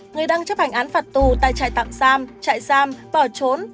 người đang chấp hành án phạt tù tại trại tạm giam chạy giam bỏ trốn